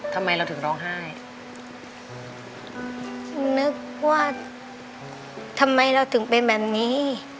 ทำไมเราถึงร้องไห้นึกว่าทำไมเราถึงเป็นแบบนี้